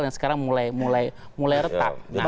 yang sekarang mulai retak